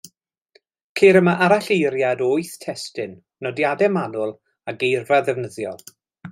Ceir yma aralleiriad o wyth testun, nodiadau manwl a geirfa ddefnyddiol.